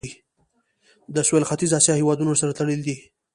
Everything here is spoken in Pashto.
د سویل ختیځې اسیا هیوادونه ورسره تړلي دي.